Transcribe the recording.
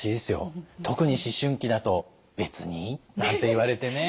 特に思春期だと「別に」なんて言われてね。